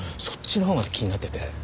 そっちのほうが気になってて。